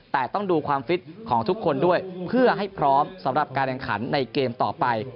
แต่ต้องดูความฟิตของทุกคนด้วยเพื่อให้พร้อมสำหรับการแข่งขันในเกมต่อไป